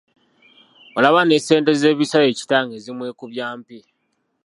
Olaba n’essente z'ebisale kitange zimwekubya mpi!